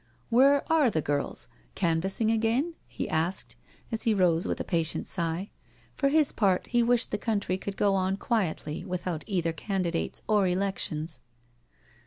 '* Where are the girls? Canvassing again?" he asked, as he rose with a patient sigh. For his part he wished the country could go on quietly without either candidates or elections.